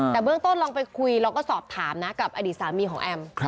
แต่เบื้องต้นลองไปคุยเราก็สอบถามนะกับอดีตสามีของแอม